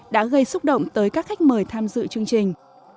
đã gây xúc động tới các khách mời tham dự chương trình